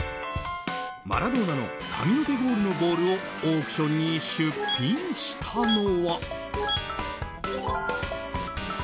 マラドーナの神の手ゴールのボールをオークションに出品したのは。